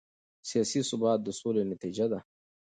سیاسي ثبات د سولې نتیجه ده